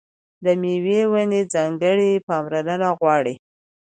د مېوې ونې ځانګړې پاملرنه غواړي.